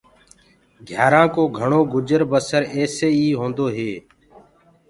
گھيآرآنٚ ڪو گھڻو گُجر بسر ايسي ئي هوندو هي۔